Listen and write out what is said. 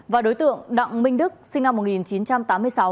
và đối tượng đặng minh đức sinh năm một nghìn chín trăm tám mươi sáu